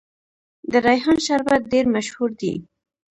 د ریحان شربت ډیر مشهور دی.